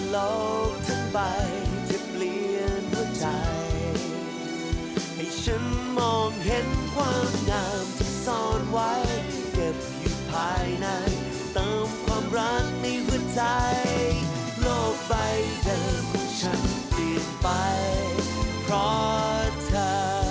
โลกใบเดิมฉันเปลี่ยนไปเพราะเธอ